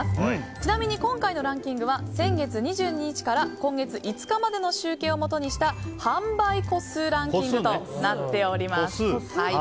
ちなみに今回のランキングは先月２２日から今月５日までの集計をもとにした販売個数ランキングとなっております。